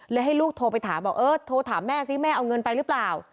ให้ลูกโทรไปถามบอกเออโทรถามแม่ซิแม่เอาเงินไปหรือเปล่า